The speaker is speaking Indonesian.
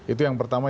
itu yang pertama